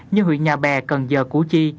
như huyện nhà bè cần giờ củ chi